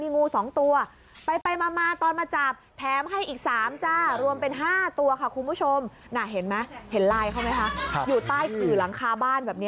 มีงูสองตัวไปมาตอนมาจับ